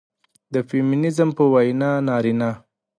د فيمينزم په وينا نارينه